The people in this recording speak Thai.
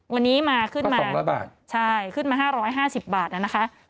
วันนี้มาขึ้นมาใช่ขึ้นมา๕๕๐บาทนะคะแล้ว๒๐๐บาท